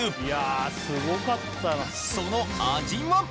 その味は？